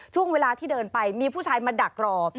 ช่วงเวลาที่เดินไปมีผู้ชายมาดักรอ